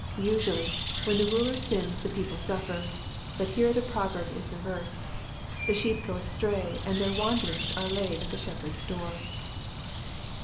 Usually, when the ruler sins the people suffer, but here the proverb is reversed — the •beep go astray, and their wanderings are laid at the Shepherd's door.